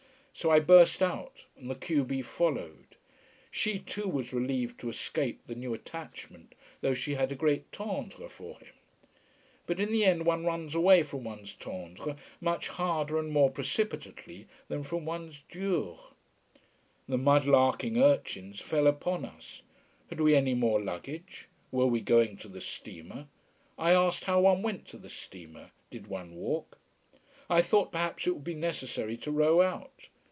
So I burst out, and the q b followed. She too was relieved to escape the new attachment, though she had a great tendre for him. But in the end one runs away from one's tendres much harder and more precipitately than from one's durs. The mudlarking urchins fell upon us. Had we any more luggage were we going to the steamer? I asked how one went to the steamer did one walk? I thought perhaps it would be necessary to row out.